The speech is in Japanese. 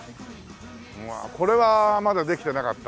これはまだできてなかったな